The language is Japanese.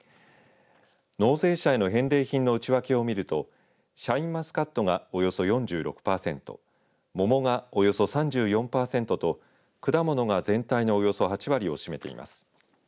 納税者への返礼品の内訳を見るとシャインマスカットがおよそ４６パーセント桃がおよそ３４パーセントと果物が全体のおよそ８割を占めています。